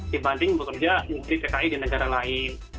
dibanding bekerja sebagai tki di negara lain